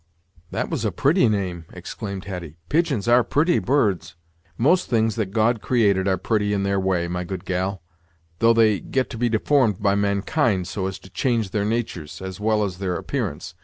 "That was a pretty name!" exclaimed Hetty; "pigeons are pretty birds!" "Most things that God created are pretty in their way, my good gal, though they get to be deformed by mankind, so as to change their natur's, as well as their appearance.